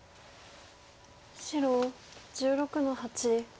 白１６の八。